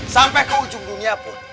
sampai ke ujung dunia pun